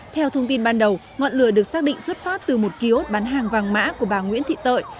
theo thông tin ban đầu ngọn lửa được xác định xuất phát từ một kiosk bán hàng vàng mã của bà nguyễn thị tợi